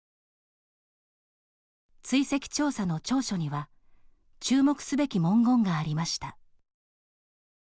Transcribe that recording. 追跡調査の調書には注目すべき文言がありました。